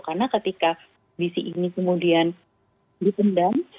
karena ketika visi ini kemudian dipendam